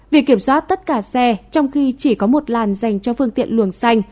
việc kiểm soát tất cả xe trong khi chỉ có một làn dành cho phương tiện luồng xanh